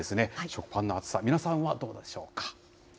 食パンの厚さ、皆さんはどうでしょうか。